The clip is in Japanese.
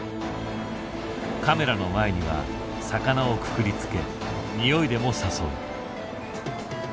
カメラの前には魚をくくりつけ匂いでも誘う。